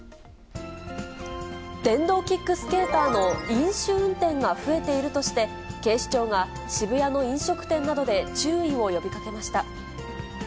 電動キックスケーターの飲酒運転が増えているとして、警視庁が渋谷の飲食店などで注意を呼びかけました。